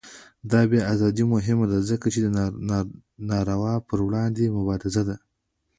د بیان ازادي مهمه ده ځکه چې د ناروا پر وړاندې مبارزه ده.